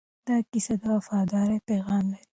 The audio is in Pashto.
دا کیسه د وفادارۍ پیغام لري.